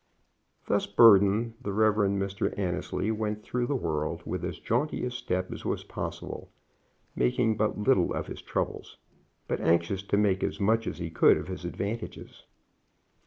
Thus burdened, the Rev. Mr. Annesley went through the world with as jaunty a step as was possible, making but little of his troubles, but anxious to make as much as he could of his advantages.